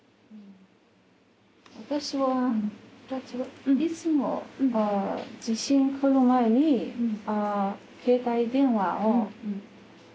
私はいつも地震来る前に携帯電話をお知らせ。